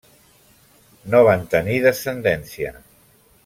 No van tenir descendència.